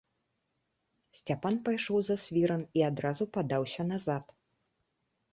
Сцяпан пайшоў за свіран і адразу падаўся назад.